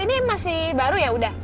ini masih baru ya udah